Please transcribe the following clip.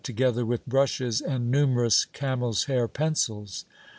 together with brushes and numerous camel's hair pencils.